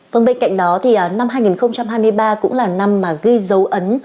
vâng bên cạnh đó thì năm hai nghìn hai mươi ba cũng là năm mà ghi dấu ấn